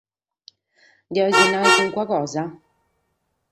Li cheres nàrrere carchi cosa?